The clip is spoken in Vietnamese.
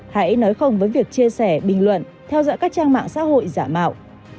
hãy nói không với việc chia sẻ bình luận theo dõi các trang mạng xã hội giả mạo